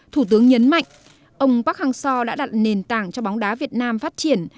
thủ tướng nhấn mạnh ông bác hằng so đã đặt nền tảng cho bóng đá việt nam phát triển